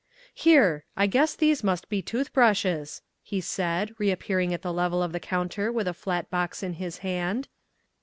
"Here, I guess these must be tooth brushes," he said, reappearing at the level of the counter with a flat box in his hand.